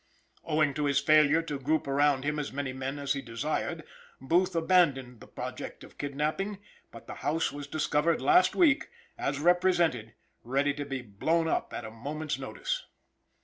Owing to his failure to group around him as many men as he desired, Booth abandoned the project of kidnapping; but the house was discovered last week, as represented, ready to be blown up at a moment's notice.